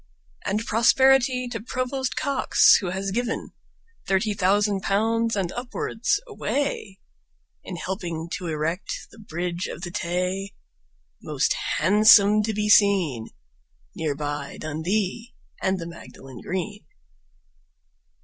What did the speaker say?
And prosperity to Provost Cox, who has given Thirty thousand pounds and upwards away In helping to erect the Bridge of the Tay, Most handsome to be seen, Near by Dundee and the Magdalen Green.